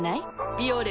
「ビオレ」